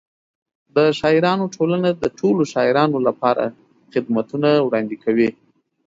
د شاعرانو ټولنه د ټولو شاعرانو لپاره خدمتونه وړاندې کوي.